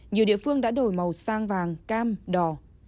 nhiều địa phương đã đổi màu sang vàng cam đỏ